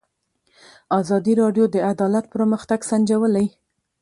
ازادي راډیو د عدالت پرمختګ سنجولی.